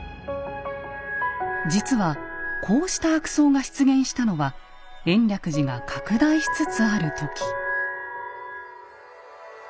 実はこうした悪僧が出現したのは延暦寺が拡大しつつある時。